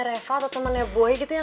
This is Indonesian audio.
reka atau temennya boy gitu ya